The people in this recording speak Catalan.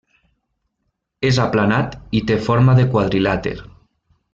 És aplanat i té forma de quadrilàter.